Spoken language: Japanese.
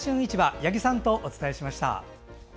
八木さんとお伝えしました。